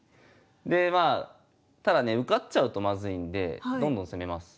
ただね受かっちゃうとまずいんでどんどん攻めます。